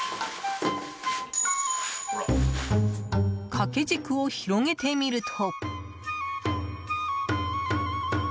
掛け軸を広げてみると。